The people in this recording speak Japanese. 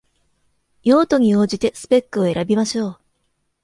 用途に応じてスペックを選びましょう